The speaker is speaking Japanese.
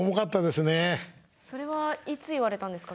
それはいつ言われたんですか？